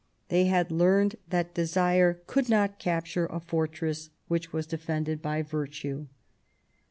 They had learned that Desire (iould not capture a fortress which was defended by Virtue.